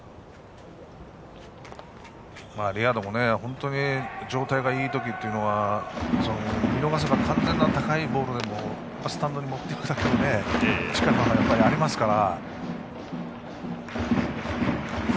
レアードも本当に状態がいいときは見逃せば完全に高いボールでもスタンドに持っていくだけの力はありますから。